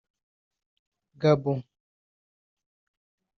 Gabon